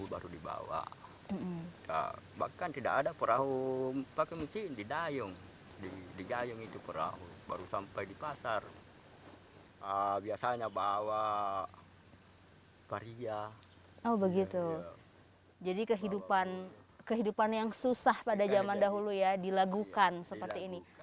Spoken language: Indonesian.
oh begitu jadi kehidupan yang susah pada zaman dahulu ya dilagukan seperti ini